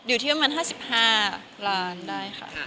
อยู่ที่ประมาณ๕๕ล้านได้ค่ะ